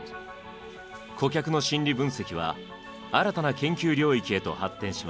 顧客の心理分析は新たな研究領域へと発展します。